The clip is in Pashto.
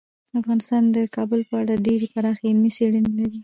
افغانستان د کابل په اړه ډیرې پراخې علمي څېړنې لري.